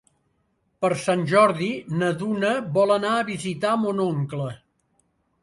Per Sant Jordi na Duna vol anar a visitar mon oncle.